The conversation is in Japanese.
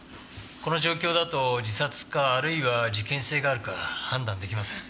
この状況だと自殺かあるいは事件性があるか判断出来ません。